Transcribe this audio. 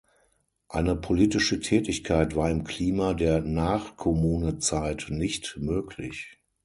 Eine politische Tätigkeit war im Klima der Nach-Kommune-Zeit nicht möglich.